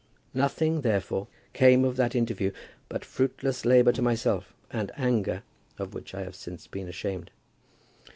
Nothing, therefore, came of that interview but fruitless labour to myself, and anger, of which I have since been ashamed.